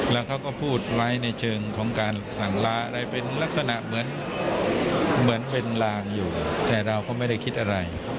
แล้วเข้าก็พูดไว้ในเจิงฉละอะไรเป็นลักษณะเหมือนเหมือนเว็นล่างอยู่แต่เราก็ไม่ได้คิดอะไร